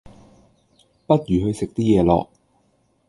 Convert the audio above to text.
不如去食啲嘢囉